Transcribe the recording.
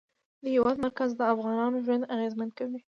د هېواد مرکز د افغانانو ژوند اغېزمن کوي.